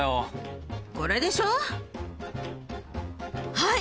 はい。